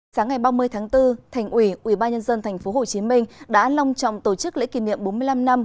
sáng ngày ba mươi tháng bốn thành ủy ủy ba nhân dân tp hcm đã long trọng tổ chức lễ kỷ niệm bốn mươi năm năm